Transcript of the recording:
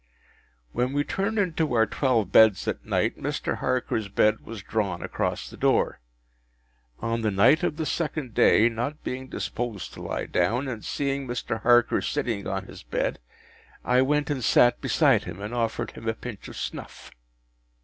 When we turned into our twelve beds at night, Mr. Harker’s bed was drawn across the door. On the night of the second day, not being disposed to lie down, and seeing Mr. Harker sitting on his bed, I went and sat beside him, and offered him a pinch of snuff.